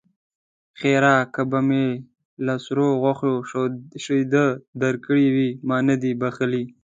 ښېرا: که به مې له سرو غوښو شيدې درکړې وي؛ ما نه يې بښلی.